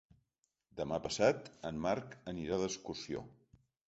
Demà passat en Marc anirà d'excursió.